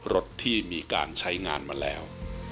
รถที่มีการใช้งานมาแล้ว